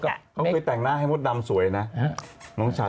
เขาเคยแต่งหน้าให้มดดำสวยนะน้องฉัด